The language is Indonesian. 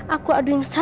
aku aduin seseorang